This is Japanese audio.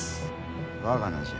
我が名じゃ。